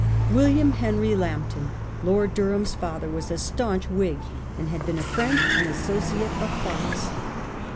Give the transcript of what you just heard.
William Henry Lambton, Lord Durham's father, was a staunch Whig, and had been a friend and associate of Fox.